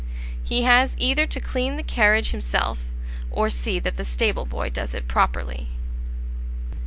He has either to clean the carriage himself, or see that the stable boy does it properly.